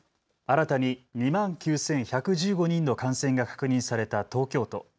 新たに２万９１１５人の感染が確認された東京都。